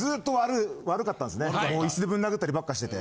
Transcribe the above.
もう椅子でぶん殴ったりばっかしてて。